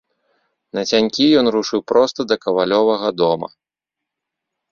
Нацянькі ён рушыў проста да кавалёвага дома.